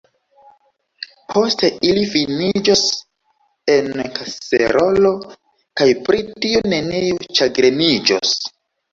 Poste ili finiĝos en kaserolo, kaj pri tio neniu ĉagreniĝos.